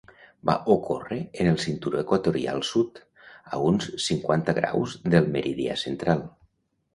Va ocórrer en el Cinturó Equatorial Sud, a uns cinquanta graus del meridià central.